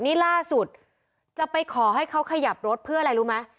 นี่ล่าสุดจะไปขอให้เขาขยับรถเพื่ออะไรรู้ไหม